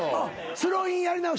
スローインやり直し。